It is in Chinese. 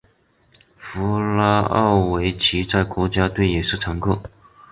弗拉奥维奇在国家队也是常客。